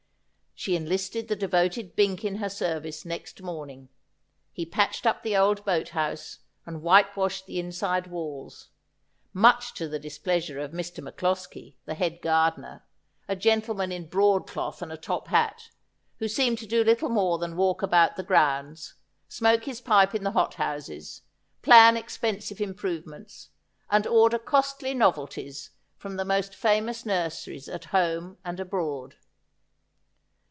She enlisted the devoted Bink in her service next morning ; he patched up the old boat house, and whitewashed the inside walls ; much to the displeasure of Mr. MacCloskie, the head gar 56 Asphodel. dener, a gentleman in broadcloth and a top hat, who seemed to do little more than walk about the grounds, smoke his pipe in the hot houses, plan expensive improvements, and order costly novelties from the most famous nurseries at home and abroad.